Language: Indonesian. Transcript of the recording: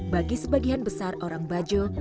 bagi sebagian besar orang bajo